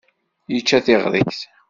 Yečča tiɣrit.